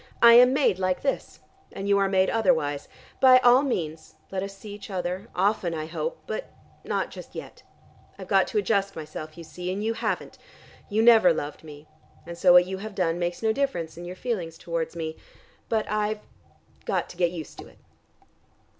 I am made like this, and you are made otherwise. By all means, let us see each other, often I hope, but not just yet. I've got to adjust myself, you see, and you haven't. You never loved me, and so what you have done makes no difference in your feelings towards me. But I've got to get used to it."